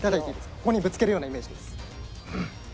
ここにぶつけるようなイメージです。